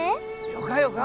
よかよか。